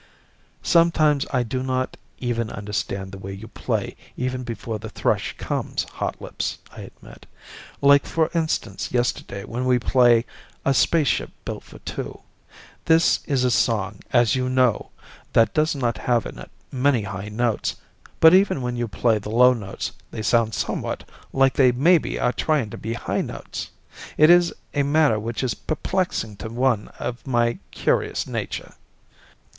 "Sometimes I do not even understand the way you play even before the thrush comes, Hotlips," I admit. "Like for instance yesterday when we play 'A Spaceship Built for Two.' This is a song, as you know, that does not have in it many high notes, but even when you play the low notes they sound somewhat like they maybe are trying to be high notes. It is a matter which is perplexing to one of my curious nature."